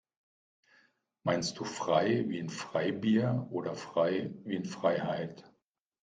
Meinst du frei wie in Freibier oder frei wie in Freiheit?